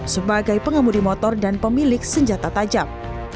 sebagai pengemudi motor dan pemilik senjata tajam